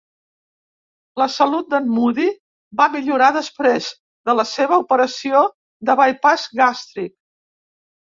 La salut d'en Moody va millorar després de la seva operació de bypass gàstric.